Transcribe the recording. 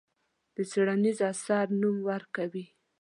د څېړنیز اثر نوم ورکوي.